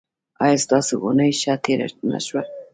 ایا ستاسو اونۍ ښه تیره نه شوه؟